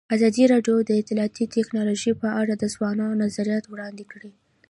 ازادي راډیو د اطلاعاتی تکنالوژي په اړه د ځوانانو نظریات وړاندې کړي.